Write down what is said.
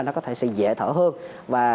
nó có thể sẽ dễ thở hơn và